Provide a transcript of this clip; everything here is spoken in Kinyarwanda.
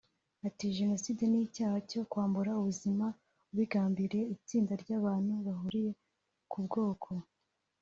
Ati "Jenoside ni icyaha cyo kwambura ubuzima ubigambiriye itsinda ry’abantu bahuriye ku bwoko